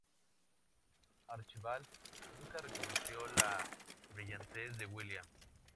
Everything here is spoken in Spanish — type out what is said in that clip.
Archibald nunca reconoció la brillantez de William.